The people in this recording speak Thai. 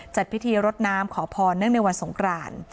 จัดพิธีรดน้ำขอพรเนื่องในวันสงคราน